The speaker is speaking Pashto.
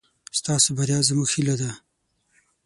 ستاسو بريا زموږ هيله ده.